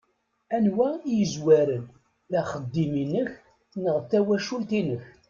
Anwa i yezwaren, d axeddim-inek neɣ d tawacult-inek?